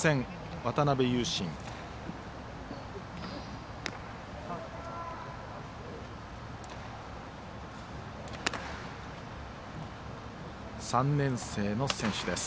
渡邊勇伸は３年生の選手です。